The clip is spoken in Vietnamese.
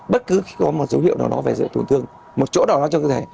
bất cứ khi có một dấu hiệu nào đó về dấu hiệu tổn thương một chỗ nào đó trong cơ thể